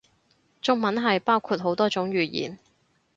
中文係包括好多種語言